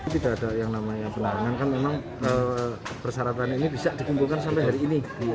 tidak ada yang namanya pelarangan kan memang persyaratan ini bisa dikumpulkan sampai hari ini